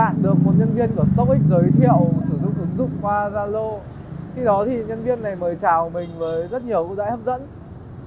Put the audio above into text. nhân viên của stockx để hỏi thì họ có trả lời mình là mình cần phải nằm hai mươi tiền phí